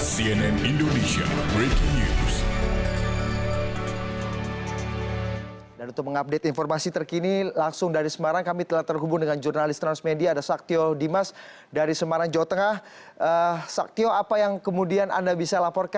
cnn indonesia breaking news